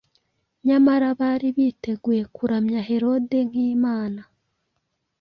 Nyamara bari biteguye kuramya Herode nk’imana,